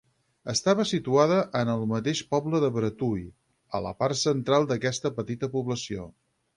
Estava situada en el mateix poble de Bretui, a la part central d'aquesta petita població.